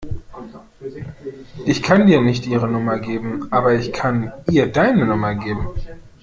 Ich kann dir nicht ihre Nummer geben, aber ich kann ihr deine Nummer geben.